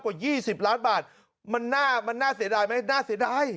กว่า๒๐ล้านบาทมันน่ามันน่าเสียดายไหมน่าเสียดาย